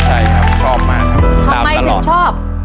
ใช่ครับชอบมาครับตามตลอด